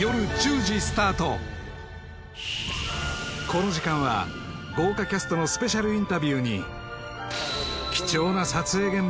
この時間は豪華キャストのスペシャルインタビューに貴重なもお届け